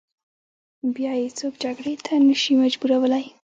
بیا یې څوک جګړې ته نه شي مجبورولای.